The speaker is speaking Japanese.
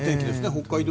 北海道